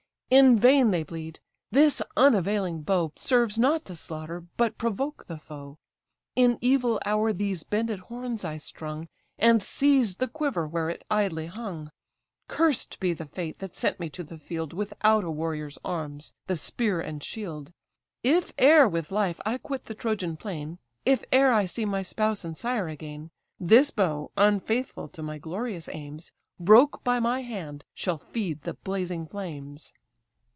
In vain they bleed: this unavailing bow Serves, not to slaughter, but provoke the foe. In evil hour these bended horns I strung, And seized the quiver where it idly hung. Cursed be the fate that sent me to the field Without a warrior's arms, the spear and shield! If e'er with life I quit the Trojan plain, If e'er I see my spouse and sire again, This bow, unfaithful to my glorious aims, Broke by my hand, shall feed the blazing flames."